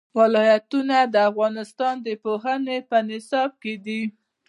ولایتونه د افغانستان د پوهنې په نصاب کې دي.